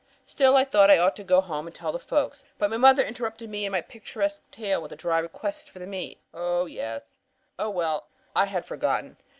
Still I thought I ought to go home and tell the folks. But mother interrupted me in my picturesque tale with a dry request for the meat. Oh, yes. Oh well, I had forgotten.